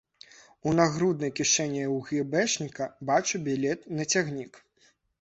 У нагруднай кішэні ў гэбэшніка бачу білет на цягнік.